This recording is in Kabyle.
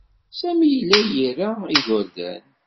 Sami yella ira igerdan.